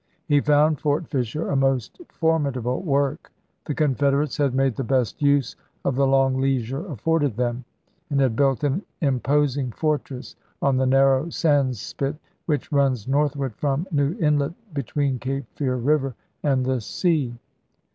He found Fort Fisher a most formidable work. The Confederates had made the best use of the long leisure afforded them, and had built an imposing fortress on the narrow sandspit which runs northward from New Inlet be tween Cape Fear River and the sea.